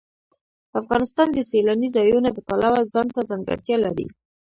افغانستان د سیلانی ځایونه د پلوه ځانته ځانګړتیا لري.